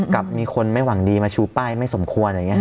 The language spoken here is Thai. กับมีคนไม่หวังดีมาชูป้ายไม่สมควร